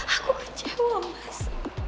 aku kecewa mas